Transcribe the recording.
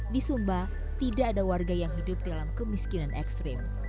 di sumba tidak ada warga yang hidup dalam kemiskinan ekstrim